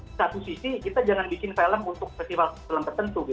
di satu sisi kita jangan bikin film untuk festival film tertentu